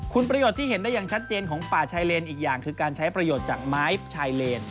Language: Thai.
คุณประโยชน์ที่เห็นได้อย่างชัดเจนของป่าชายเลนอีกอย่างคือการใช้ประโยชน์จากไม้ชายเลน